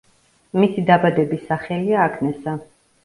მისი დაბადების სახელია აგნესა.